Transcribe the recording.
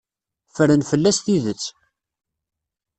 Ffren fell-as tidet.